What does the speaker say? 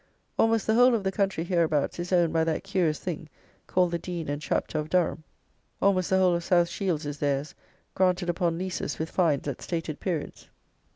Almost the whole of the country hereabouts is owned by that curious thing called the Dean and Chapter of Durham. Almost the whole of South Shields is theirs, granted upon leases with fines at stated periods.